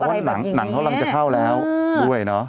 เพราะหนังเขากำลังจะเข้าแล้วด้วยเนาะ